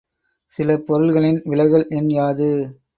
சில பொருள்களின் விலகல் எண் யாது?